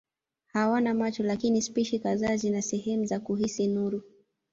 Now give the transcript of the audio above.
Hawana macho lakini spishi kadhaa zina sehemu za kuhisi nuru.